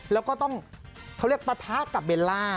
แล้วก็ต้องเขาเรียกปะทะกับเบลล่า